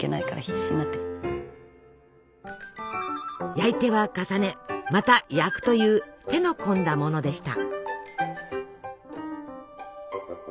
焼いては重ねまた焼くという手の込んだものでした。